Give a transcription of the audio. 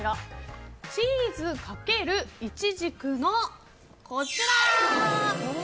チーズ×イチジクのこちら！